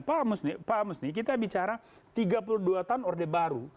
pak musni kita bicara tiga puluh dua tahun orde baru